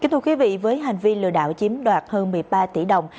thưa quý vị với hành vi lừa đảo chiếm đoạt hơn một mươi ba tỷ đồng